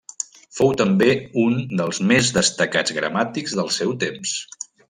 Fou també un dels més destacats gramàtics del seu temps.